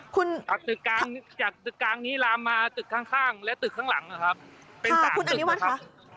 คุณจากตึกกลางจากตึกกลางนี้ลามมาตึกข้างและตึกข้างหลังนะครับเป็น๓ตึกอะครับ